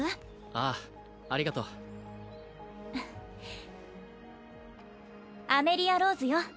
ああありがとうアメリア＝ローズよ